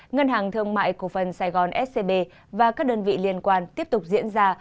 ngân hàng thương mại cổ phần sài gòn scb và các đơn vị liên quan tiếp tục diễn ra